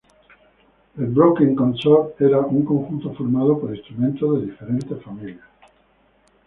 El "broken consort" era un conjunto formado por instrumentos de diferentes familias.